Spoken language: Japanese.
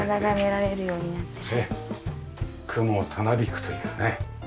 雲たなびくというね。